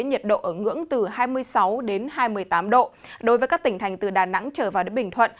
nhiệt độ ở ngưỡng từ hai mươi sáu đến hai mươi tám độ đối với các tỉnh thành từ đà nẵng trở vào đến bình thuận